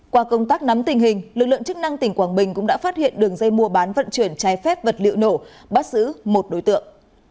qua công tác nắm tình hình lực lượng chức năng tỉnh quảng bình cũng đã phát hiện đường dây mua bán vận chuyển trái phép vật liệu nổ bắt giữ một đối tượng